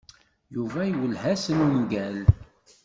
Yuba iwelleh-asen ungal.